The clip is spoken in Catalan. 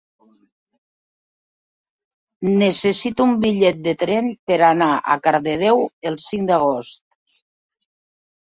Necessito un bitllet de tren per anar a Cardedeu el cinc d'agost.